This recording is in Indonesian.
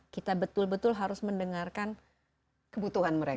kita betul betul harus mendengarkan kebutuhan mereka